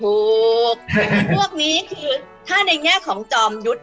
พวกนี้คือถ้าในแง่ของจอมยุทธ์